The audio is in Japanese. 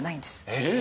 えっ？